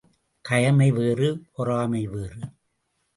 கயமை வேறு, பொறாமை வேறு.